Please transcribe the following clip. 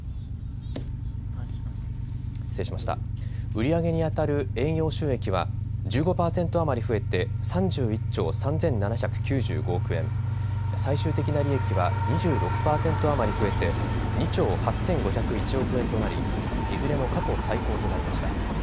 売り上げにあたる営業収益は１５％余り増えて３１兆３７９５億円、最終的な利益は２６％余り増えて２兆８５０１億円となりいずれも過去最高となりました。